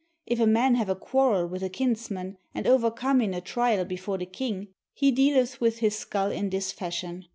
If a man have a quarrel with a kinsman, and overcome in a trial before the king, he dealeth with his skull in this fashion.